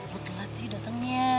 gue telat sih datangnya